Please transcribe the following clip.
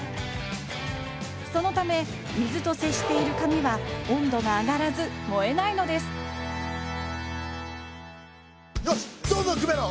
そのため水と接している紙は温度が上がらず燃えないのですよしどんどんくべろ！